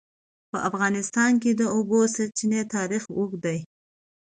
په افغانستان کې د د اوبو سرچینې تاریخ اوږد دی.